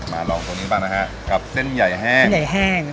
ลองตัวนี้บ้างนะฮะกับเส้นใหญ่แห้งเส้นใหญ่แห้ง